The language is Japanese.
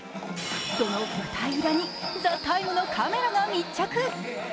その舞台裏に「ＴＨＥＴＩＭＥ，」のカメラが密着。